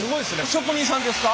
職人さんですか？